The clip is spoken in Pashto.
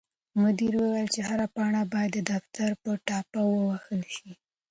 مدیر وویل چې هره پاڼه باید د دفتر په ټاپه ووهل شي.